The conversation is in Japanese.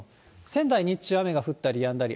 仙台、日中雨が降ったりやんだり。